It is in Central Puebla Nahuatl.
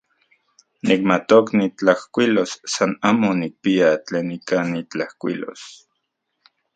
Nikmatok nitlajkuilos, san amo nikpia tlen ika nitlajkuilos.